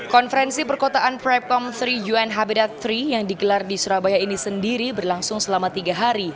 konferensi perkotaan prepcomp tiga un habitat tiga yang digelar di surabaya ini sendiri berlangsung selama tiga hari